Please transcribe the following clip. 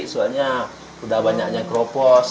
soalnya sudah banyaknya keropos